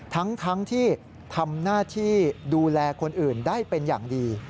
ทั้งที่ทำหน้าที่ดูแลคนอื่นได้เป็นอย่างดี